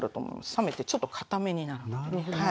冷めてちょっと堅めになるのでね。